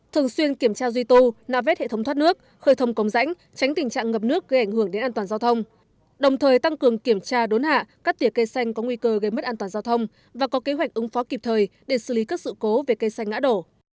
trong quá trình kiểm tra gia soát nếu phát hiện công trình nào không bảo đảm an toàn giao thông phải yêu cầu chủ đầu tư và đơn vị thi công khắc phục ngay và xử lý theo quy định